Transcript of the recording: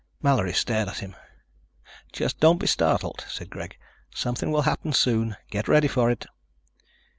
Mallory stared at him. "Just don't be startled," said Greg. "Something will happen soon. Get ready for it."